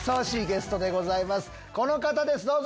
この方ですどうぞ！